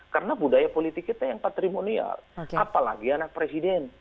karena budaya politik kita yang patrimonial apalagi anak presiden